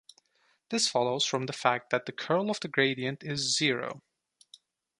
This follows from the fact that the curl of the gradient is zero.